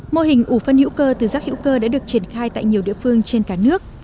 mô hình ủ phân hữu cơ từ rác hữu cơ đã được triển khai tại nhiều địa phương trên cả nước